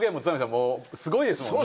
もうすごいですもんね。